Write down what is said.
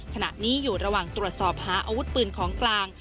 ขณะนี้อยู่ระหว่างตรวจสอบหาอาวุธปืนของกลาง